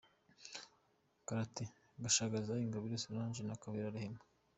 Karate: Gashagaza Ingabire Solange na Kabera Rehema.